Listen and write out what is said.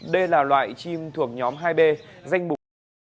đây là loại chim thuộc nhóm hai b danh mục